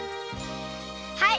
はい。